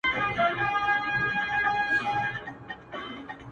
• قاتل ژوندی دی، مړ یې وجدان دی،